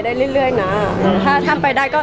แต่จริงแล้วเขาก็ไม่ได้กลิ่นกันว่าถ้าเราจะมีเพลงไทยก็ได้